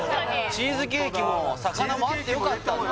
チーズケーキも魚もあってよかったんだ